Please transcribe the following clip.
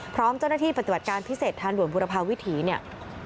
พร้อมเจ้าหน้าที่ปฏิบัติการพิเศษทางด่วนบุรพาวิถีเนี่ย